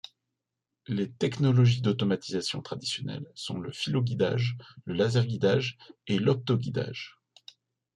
Les technologies d’automatisation traditionnelles sont le filoguidage, le laserguidage et l’optoguidage.